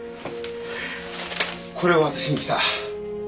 これを渡しに来た。